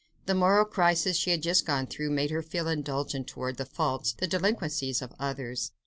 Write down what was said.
The moral crisis she had just gone through made her feel indulgent towards the faults, the delinquencies, of others.